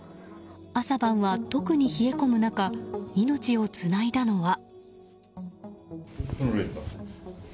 朝晩は特に冷え込む中命をつないだのは。